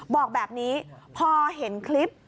บอกแบบนี้พอเห็นคลิป